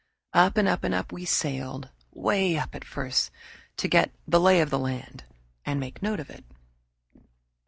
Up and up and up we sailed, way up at first, to get "the lay of the land" and make note of it.